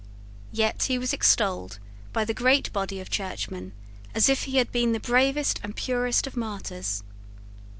Yet he was extolled by the great body of Churchmen as if he had been the bravest and purest of martyrs.